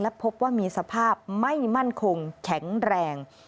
พบว่ามีสภาพไม่มั่นคงแข็งแรง